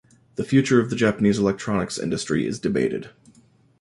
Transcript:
The future of the Japanese electronics industry is debated.